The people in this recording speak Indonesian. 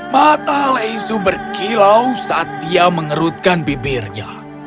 mata lezu berkilau saat dia mengerutkan bibirnya